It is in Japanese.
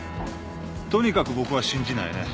とにかく僕は信じないね。